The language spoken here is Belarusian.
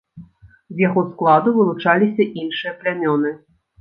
З яго складу вылучаліся іншыя плямёны.